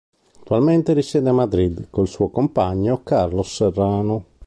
Attualmente risiede a Madrid con il suo compagno Carlos Serrano.